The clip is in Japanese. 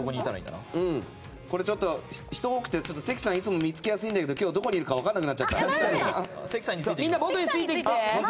これちょっと、人が多くて関さんいつも見つけやすいんだけど今日はどこにいるか分からなくなっちゃった。